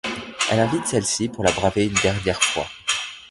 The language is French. Elle invite celle-ci pour la braver une dernière fois.